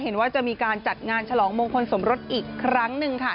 เห็นว่าจะมีการจัดงานฉลองมงคลสมรสอีกครั้งหนึ่งค่ะ